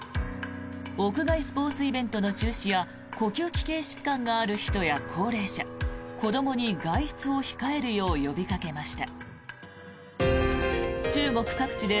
屋外スポーツイベントの中止や呼吸器系疾患がある人や高齢者子どもに外出を控えるよう呼びかけました。